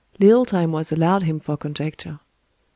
Little time was allowed him for conjecture.